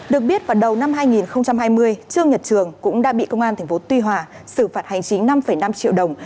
được biết vào đầu năm hai nghìn hai mươi trương nhật trường cũng đã bị công an tp tuy hòa xử phạt hành chính năm năm triệu đồng